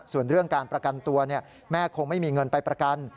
ส่วนเรื่องการประกันตัวแม่คงไม่มีเงินไปประกัน